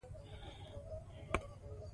ژبې د افغانستان د ولایاتو په کچه توپیر لري.